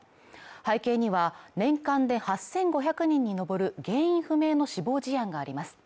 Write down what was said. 背景には、年間で８５００人に上る原因不明の死亡事案があります。